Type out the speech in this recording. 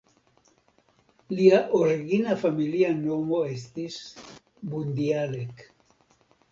Lia origina familia nomo estis "Bundialek".